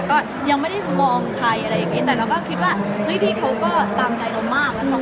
ก็ยังไม่ได้มองใครอะไรอย่างงี้แต่เราก็คิดว่าเฮ้ยพี่เขาก็ตามใจเรามากอะ